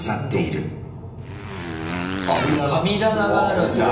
あっ神棚があるんだ。